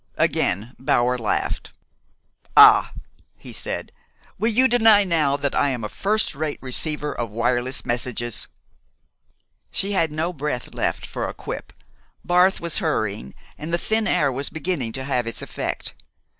Again Bower laughed. "Ah!" he said. "Will you deny now that I am a first rate receiver of wireless messages?" She had no breath left for a quip. Barth was hurrying, and the thin air was beginning to have its effect.